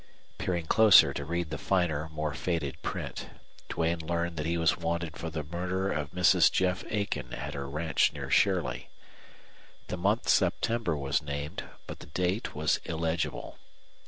Peering closer to read the finer, more faded print, Duane learned that he was wanted for the murder of Mrs. Jeff Aiken at her ranch near Shirley. The month September was named, but the date was illegible.